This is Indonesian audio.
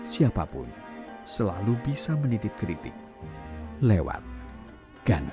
siapapun selalu bisa menitip kritik lewat gandrik